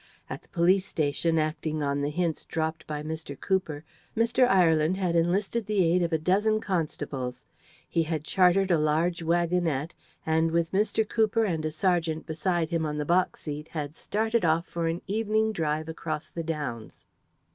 At the police station, acting on the hints dropped by Mr. Cooper, Mr. Ireland had enlisted the aid of a dozen constables. He had chartered a large waggonette, and with Mr. Cooper and a sergeant beside him on the box seat had started off for an evening drive across the Downs.